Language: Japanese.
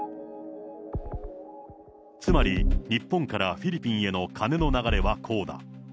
つまり、日本からフィリピンへの金の流れはこうだ。